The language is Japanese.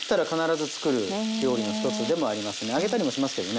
揚げたりもしますけどね。